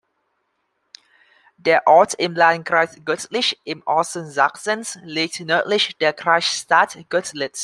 Der Ort im Landkreis Görlitz im Osten Sachsens liegt nördlich der Kreisstadt Görlitz.